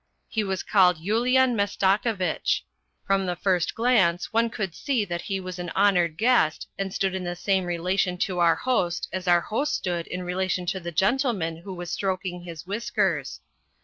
He was called Yulian Mastakovitch. From the first glance one could see that he was an honoured guest, and stood in the same relation to our host as our host stood in relation to the gentleman who was stroking his whiskers.